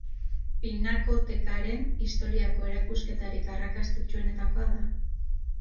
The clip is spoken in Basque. Pinakotekaren historiako erakusketarik arrakastatsuenetakoa da.